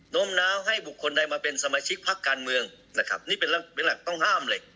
้มน้าวให้บุคคลใดมาเป็นสมาชิกพักการเมืองนะครับนี่เป็นหลักต้องห้ามเลย